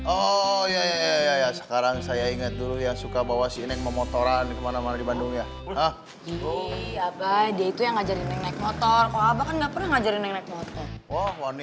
oh ya sekarang saya ingat dulu ya suka bawa sini memotoran kemana mana di bandung ya hah